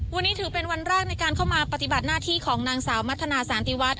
วันนี้ถือเป็นวันแรกในการเข้ามาปฏิบัติหน้าที่ของนางสาวมัธนาสานติวัฒน